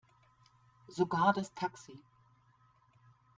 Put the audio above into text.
Sogar das Taxi.